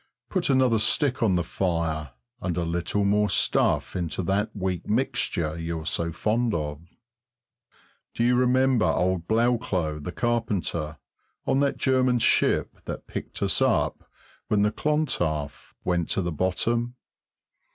Put another stick on the fire, and a little more stuff into that weak mixture you're so fond of. Do you remember old Blauklot the carpenter, on that German ship that picked us up when the Clontarf went to the bottom?